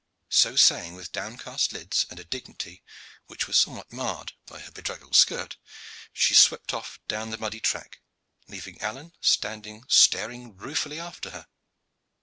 So saying, with downcast lids and a dignity which was somewhat marred by her bedraggled skirt, she swept off down the muddy track, leaving Alleyne standing staring ruefully after her.